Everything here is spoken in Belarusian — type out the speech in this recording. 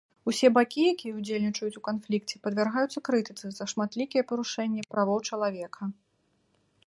Усе бакі, якія ўдзельнічаюць у канфлікце, падвяргаюцца крытыцы за шматлікія парушэнні правоў чалавека.